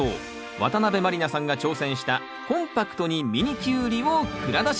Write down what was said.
渡辺満里奈さんが挑戦した「コンパクトにミニキュウリ！」を蔵出し！